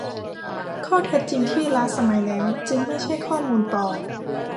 ข้อเท็จจริงที่ล้าสมัยแล้วจึงไม่ใช่ข้อมูลปลอม